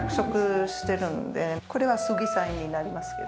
これは杉材になりますけども。